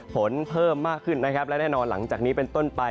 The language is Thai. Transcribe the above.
ฝนเพิ่มมากขึ้นนะครับและแน่นอนหลังจากนี้เป็นต้นไป